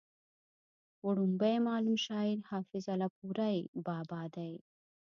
وړومبی معلوم شاعر حافظ الپورۍ بابا دی